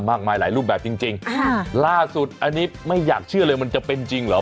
มากมายหลายรูปแบบจริงจริงค่ะล่าสุดอันนี้ไม่อยากเชื่อเลยมันจะเป็นจริงเหรอ